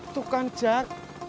tuh kan jaks